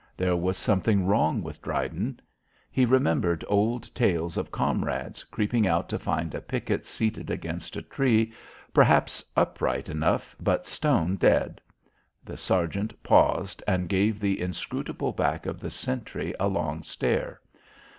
There was something wrong with Dryden. He remembered old tales of comrades creeping out to find a picket seated against a tree perhaps, upright enough but stone dead. The sergeant paused and gave the inscrutable back of the sentry a long stare.